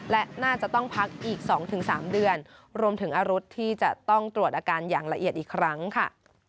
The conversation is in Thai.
และน่าจะต้องพักอีก๒๓เดือนรวมถึงอารุษที่จะต้องตรวจอาการอย่างละเอียดอีกครั้งค่ะ